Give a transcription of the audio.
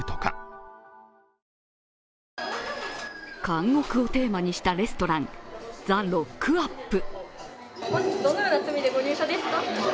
監獄をテーマにしたレストランザ・ロックアップ。